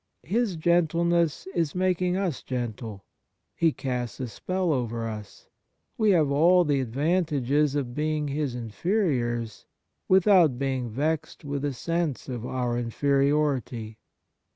His gentleness is making us gentle. He casts a spell over us. We have all the advantages of being his inferiors without being vexed with a sense of our inferiority.